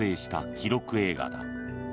記録映画だ。